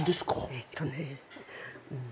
えっとねん